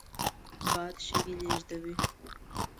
باد شګې لېږدوي